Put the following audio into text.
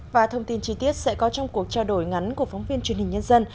và thông tin chi tiết sẽ có trong cuộc trao đổi ngắn của phóng viên truyền hình nhân dân